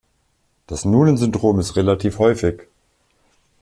Das Noonan-Syndrom ist relativ häufig.